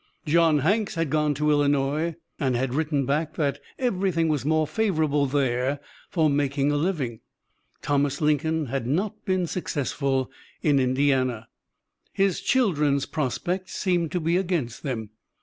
John Hanks had gone to Illinois, and had written back that everything was more favorable there for making a living. Thomas Lincoln had not been successful in Indiana. His children's prospects seemed to be against them.